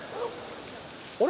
あれ？